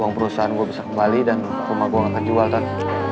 uang perusahaan saya bisa kembali dan rumah saya akan dijual pak